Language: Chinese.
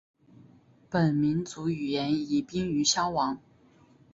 本民族语言已濒于消亡。